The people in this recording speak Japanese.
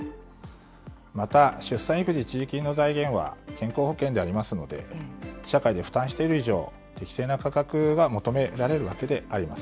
また、出産育児一時金の財源は健康保険でありますので、社会で負担している以上、適正な価格は求められるわけであります。